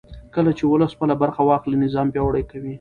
کله چې ولس خپله برخه واخلي نظام پیاوړی کېږي